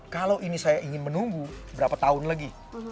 kalau ini saya ingin menunggu berapa tahun lagi